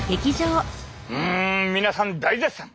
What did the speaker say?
うん皆さん大絶賛！